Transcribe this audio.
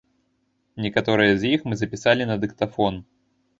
Некаторыя з іх мы запісалі на дыктафон.